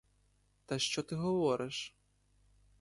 Та що ти говориш?!